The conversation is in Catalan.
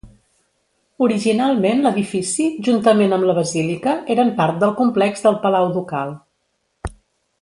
Originalment l'edifici, juntament amb la Basílica, eren part del complex del Palau Ducal.